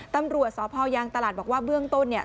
ตำรวจสพยางตลาดบอกว่าเบื้องต้นเนี่ย